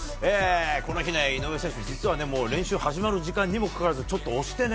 この日、井上選手、実は練習始める時間にもかかわらずちょっと押してね。